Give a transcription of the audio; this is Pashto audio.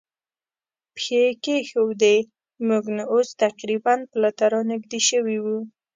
پښې کېښوودې، موږ نو اوس تقریباً پله ته را نږدې شوي و.